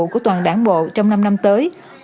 của toàn đảng bộ trong năm năm tới